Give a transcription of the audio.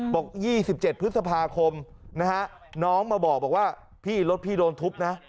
บอก๒๗พฤษภาคมนะฮะน้องมาบอกว่าพี่รถพี่โดนทุบนะ